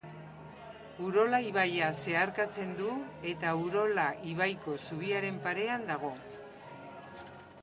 Urola ibaia zeharkatzen du eta Urola ibaiko zubiaren parean dago.